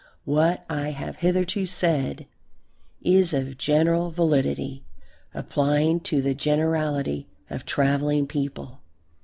What I have hitherto said is of general validity, applying to the generality of travelling people.